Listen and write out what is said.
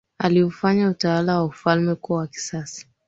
aliufanya utawala wa ufalme kuwa wa kisasa